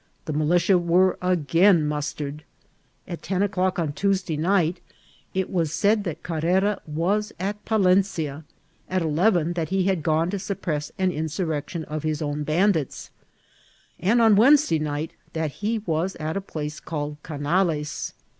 The militia were again mus JLK&ITAL OF MORAZAM. M7 4ered. At ten o'dbek on Toesday ni^t it was said that Canrera was at Palenciai at eleren that he had gone to suppress an insurrection of his own bandits, and on Wednesday night that be was at a place called Canales.